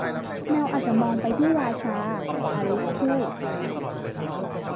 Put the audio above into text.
แมวอาจมองไปที่ราชา อลิซพูด